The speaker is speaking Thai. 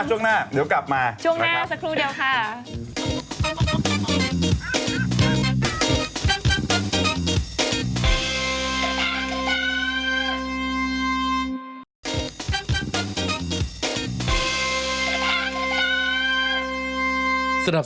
ช่วงหน้าเดี๋ยวกลับมานะคะช่วงหน้าครับซักครู่เดียวค่ะขอบคุณครับ